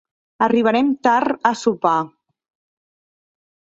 Arribarem tard a sopar.